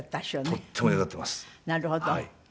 なるほど。